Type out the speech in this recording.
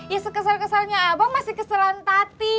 ya sekesel keselnya abang masih keselan tati